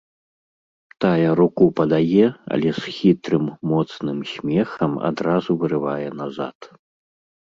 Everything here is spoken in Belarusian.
Тая руку падае, але з хітрым, моцным смехам адразу вырывае назад.